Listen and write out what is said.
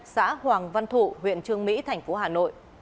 xã hoàng văn thụ huyện trương mỹ thành phố hà nội